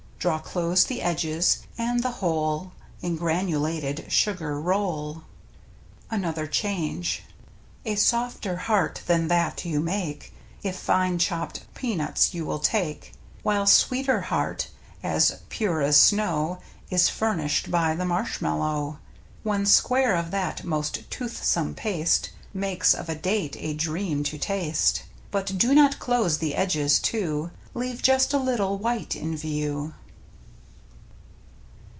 Draw close the edges, and the whole In granulated sugar roll. (another change) A softer heart than that you make, If fine chopped peanuts you will take. While sweeter heart, as pure as snow. Is furnished by the marshmallow. One square of that most toothsome paste Makes of a date a dream to taste ; But do not close the edges to. Leave just a little white in view.